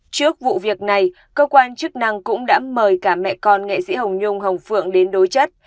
trước vụ việc này cơ quan chức năng cũng đã mời cả mẹ con nghệ sĩ hồng nhung hồng phượng đến đối chất